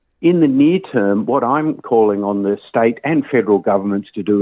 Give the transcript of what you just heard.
pada jangka dekat apa yang saya panggil untuk perusahaan negara dan pemerintah adalah